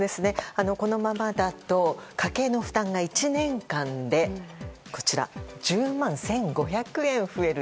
このままだと家計の負担が１年間で１０万１５００円増える。